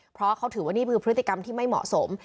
เพราะเขาถือว่านี่คือพฤติกรรมที่ไม่เหมาะสม